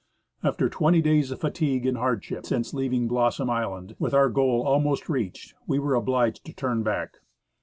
After twenty days of fatigue and hardship since leaving Blossom island, with our goal almost reached, we were obliged to turn back.